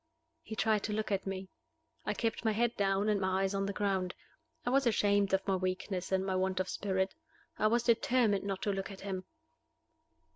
He tried to look at me. I kept my head down and my eyes on the ground. I was ashamed of my weakness and my want of spirit. I was determined not to look at him.